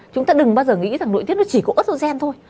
chúng ta đừng bao giờ nghĩ rằng nội tiết nó chỉ có ớt dô xen thôi